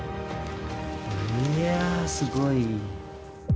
いやすごい。